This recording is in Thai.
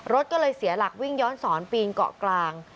รถก็เลยเสียหลักวิ่งย้อนสอนปีนเกาะกลาง